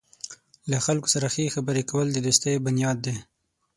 له خلکو سره ښې خبرې کول د دوستۍ بنیاد دی.